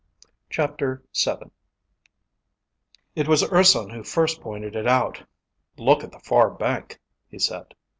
CHAPTER VII It was Urson who first pointed it out. "Look at the far bank," he said.